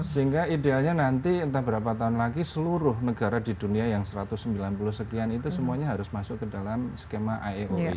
sehingga idealnya nanti entah berapa tahun lagi seluruh negara di dunia yang satu ratus sembilan puluh sekian itu semuanya harus masuk ke dalam skema iop